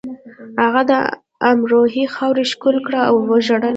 هغه د امروهې خاوره ښکل کړه او وژړل